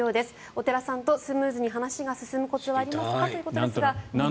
お寺さんとスムーズに話が進むことはありますかということですが。